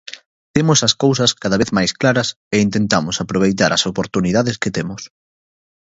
Temos as cousas cada vez máis claras e intentamos aproveitar as oportunidades que temos.